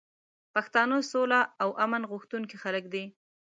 پښتانه سوله او امن غوښتونکي خلک دي.